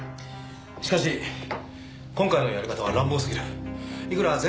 しかし今回のやり方は乱暴すぎる。